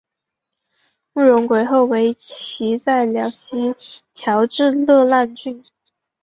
慕容廆后为其在辽西侨置乐浪郡。